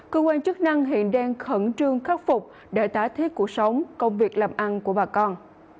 cơ quan chức năng hiện đang khẩn trương khắc phục để tái thiết cuộc sống công việc làm ăn của bà con